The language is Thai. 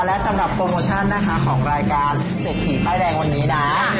และสำหรับโปรโมชั่นนะคะของรายการเศรษฐีป้ายแดงวันนี้นะ